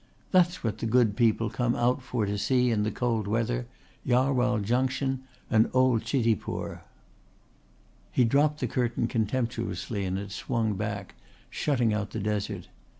That's what the good people come out for to see in the cold weather Jarwhal Junction and old Chitipur." He dropped the curtain contemptuously and it swung back, shutting out the desert.